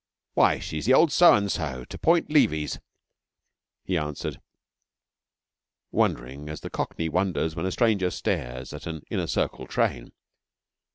'Why, she's the old So and So, to Port Levis,' he answered, wondering as the Cockney wonders when a stranger stares at an Inner Circle train.